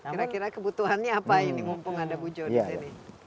kira kira kebutuhannya apa ini mumpung ada bu jo di sini